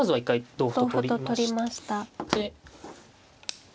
同歩と取りました。